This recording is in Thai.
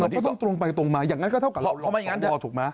เราต้องตรงไปตรงมาอย่างนั้นก็เท่ากับเรา